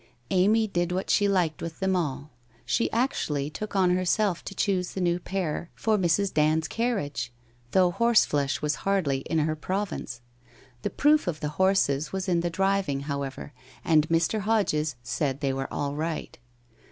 Amy did what she liked with them all. She actually took on herself to choose the new pair for Mrs. Dand's carriage, though horseflesh was hardly in her province. The proof of the horses was in the driving, however, and Mr. Hodges said they were all right.